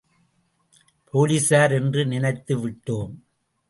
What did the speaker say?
போலீசார் என்று நினைத்து விட்டோம்.